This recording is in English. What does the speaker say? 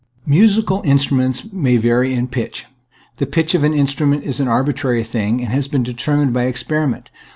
Musical instruments may vary in pitch. The pitch of an instrument is an arbitrary thing, and has been determined by experi ment.